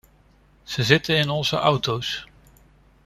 Ze zitten in onze auto’s.